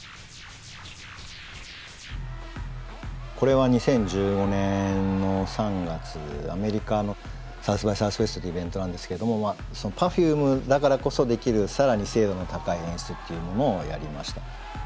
これは２０１５年の３月アメリカのサウス・バイ・サウスウエストというイベントなんですけどもＰｅｒｆｕｍｅだからこそできる更に精度の高い演出っていうものをやりました。